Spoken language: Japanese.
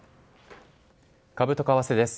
株と為替です。